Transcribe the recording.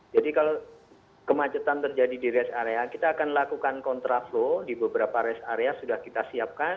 jadi kalau kemacetan terjadi di rest area kita akan lakukan kontra flow di beberapa rest area sudah kita siapkan